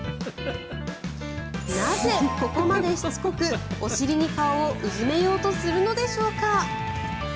なぜ、ここまでしつこくお尻に顔をうずめようとするのでしょうか。